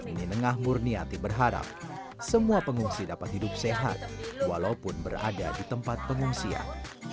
ini nengah murniati berharap semua pengungsi dapat hidup sehat walaupun berada di tempat pengungsian